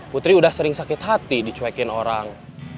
putri udah sering sakit hati dicuekin orang